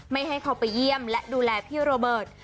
ให้เขาไปเยี่ยมและดูแลพี่โรเบิร์ต